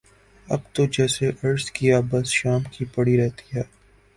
اب تو جیسے عرض کیا بس شام کی پڑی رہتی ہے